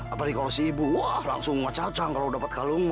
apalagi kalau si ibu wah langsung macacang kalau dapat kalung ma